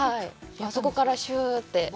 そこからシューって。